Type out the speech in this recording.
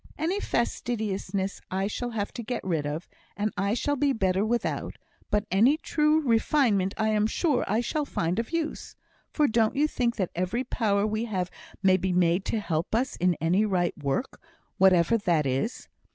Any fastidiousness I shall have to get rid of, and I shall be better without; but any true refinement I am sure I shall find of use; for don't you think that every power we have may be made to help us in any right work, whatever that is?